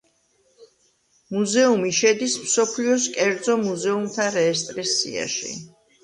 მუზეუმი შედის მსოფლიოს კერძო მუზეუმთა რეესტრის სიაში.